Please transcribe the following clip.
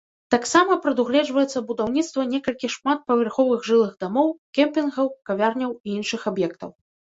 Таксама прадугледжваецца будаўніцтва некалькіх шматпавярховых жылых дамоў, кемпінгаў, кавярняў і іншых аб'ектаў.